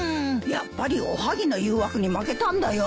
やっぱりおはぎの誘惑に負けたんだよ。